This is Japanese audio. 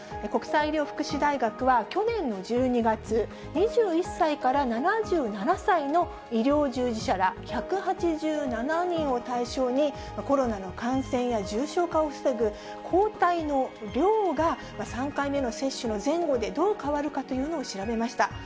国際医療福祉大学は、去年の１２月、２１歳から７７歳の医療従事者ら１８７人を対象に、コロナの感染や重症化を防ぐ抗体の量が、３回目の接種の前後で、どう変わるかというのを調べました。